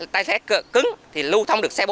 tay xe cứng thì lưu thông được xe